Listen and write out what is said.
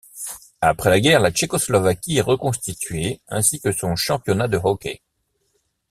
Après la guerre, la Tchécoslovaquie est reconstituée ainsi que son championnat de hockey.